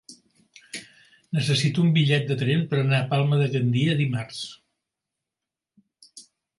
Necessito un bitllet de tren per anar a Palma de Gandia dimarts.